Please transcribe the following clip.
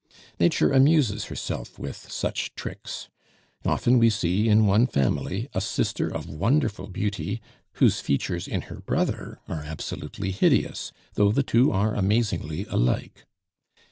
Nature amuses herself with such tricks. Often we see in one family a sister of wonderful beauty, whose features in her brother are absolutely hideous, though the two are amazingly alike.